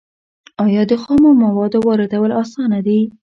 آیا د خامو موادو واردول اسانه دي؟